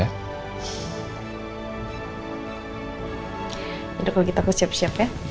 ya udah kalau gitu aku siap siap ya